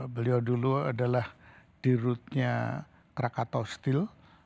beliau dulu adalah di rutenya krakatau steel